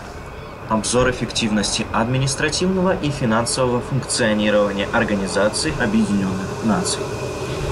Обзор эффективности административного и финансового функционирования Организации Объединенных Наций.